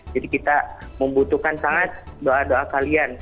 jadi kita membutuhkan sangat doa doa kalian